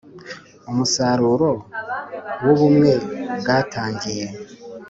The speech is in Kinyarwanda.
Umusaruro w Ubumwe bwatangiye